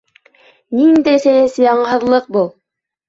Ниндәй сәйәси аңһыҙлыҡ был?!